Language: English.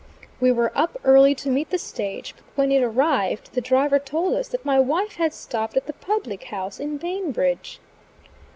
We were up early to meet the stage; but when it arrived, the driver told us that my wife had stopped at the public house in Bainbridge.